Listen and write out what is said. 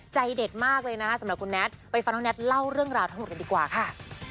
ใจเด็ดมากเลยนะคะสำหรับคุณแน็ตไปฟังน้องแท็ตเล่าเรื่องราวทั้งหมดกันดีกว่าค่ะ